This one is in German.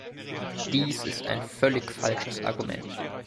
Dies ist ein völlig falsches Argument.